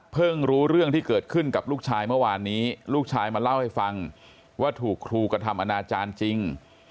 รู้เรื่องที่เกิดขึ้นกับลูกชายเมื่อวานนี้ลูกชายมาเล่าให้ฟังว่าถูกครูกระทำอนาจารย์จริง